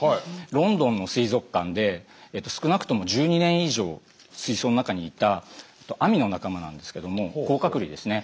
ロンドンの水族館で少なくとも１２年以上水槽の中にいたアミの仲間なんですけども甲殻類ですね。